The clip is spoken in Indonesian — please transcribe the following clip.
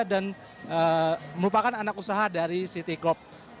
dan merupakan anak usaha dari city club